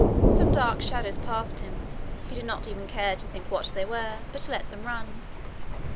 Some dark shadows passed him: he did not even care to think what they were, but let them run.